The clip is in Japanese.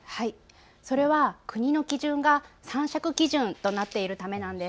それは国の基準が参酌基準となっているためなんです。